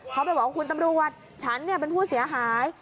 เขาไปบอกว่าคุณตำรวจฉันเป็นผู้เสียหาย